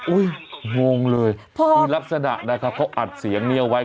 งงเลยคือลักษณะนะครับเขาอัดเสียงนี้เอาไว้